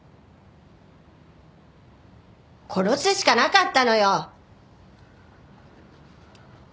殺すしかなかったのよ！